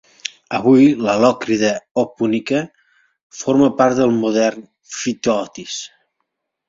Avui, la Lòcrida Opúncia forma part del modern Phthiotis.